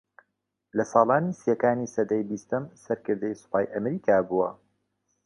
لە ساڵانی سیەکانی سەدەی بیستەم سەرکردەی سوپای ئەمریکا بووە